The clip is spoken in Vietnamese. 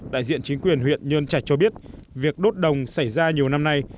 đại diện chính quyền huyện nhơn trạch cho biết việc đốt đồng xảy ra nhiều năm nay